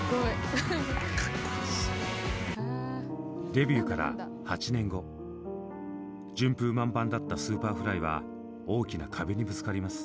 デビューから８年後順風満帆だったＳｕｐｅｒｆｌｙは大きな壁にぶつかります。